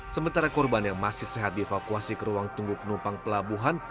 sementara korban yang masih sehat dievakuasi ke ruang tunggu penumpang pelabuhan